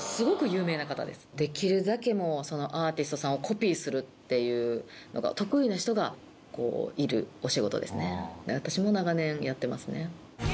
できるだけアーティストさんをコピーするっていうのが得意な人がいるお仕事ですね。